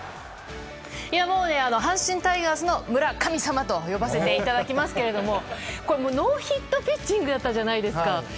阪神タイガースの村神様と呼ばせていただきますがノーヒットピッチングだったじゃないですか。